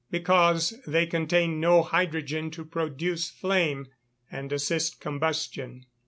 _ Because they contain no hydrogen to produce flame, and assist combustion.